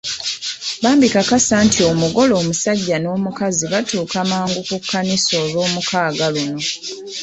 Bambi kakasa nti omugole omusajja n'omukazi batuuka mangu ku kkanisa olwomukaaga luno.